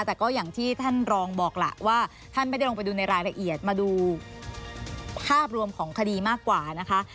แต่ก็อย่างที่ท่านรองบอกล่ะว่าท่านไม่ได้ลงไปดูในรายละเอียดมาดูภาพรวมของคดีมากกว่านะคะ